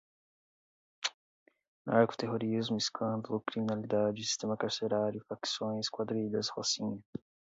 narcoterrorismo, escândalo, criminalidade, sistema carcerário, facções, quadrilhas, rocinha